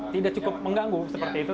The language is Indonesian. jadi cukup mengganggu seperti itu